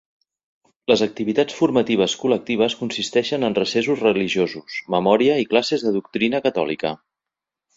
Les activitats formatives col·lectives consisteixen en recessos religiosos, memòria i classes de doctrina catòlica.